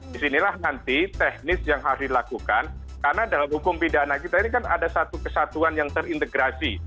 disinilah nanti teknis yang harus dilakukan karena dalam hukum pidana kita ini kan ada satu kesatuan yang terintegrasi